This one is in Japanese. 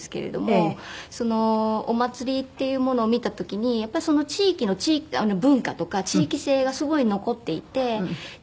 そのお祭りっていうものを見た時にやっぱりその地域の文化とか地域性がすごい残っていて。